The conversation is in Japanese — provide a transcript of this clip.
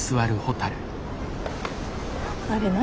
あれ何？